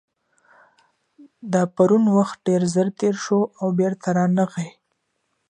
د پرون وخت ډېر ژر تېر سو او بېرته رانغی.